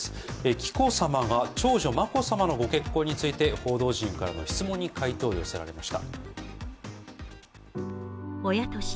紀子さまが長女・眞子さまのご結婚について報道陣からの質問に回答を寄せられました。